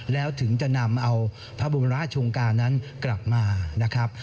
แล้วถึงจะนำเอาพระบรมราชงกานั้นกลับมานะครับ